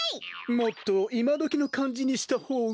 もっといまどきのかんじにしたほうが。